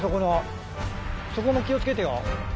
そこも気を付けてよ。